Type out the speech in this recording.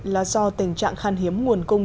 là do tình trạng khăn hiếm nguồn cung